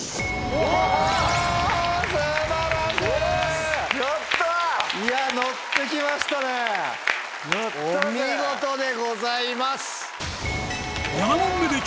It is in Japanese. お見事でございます。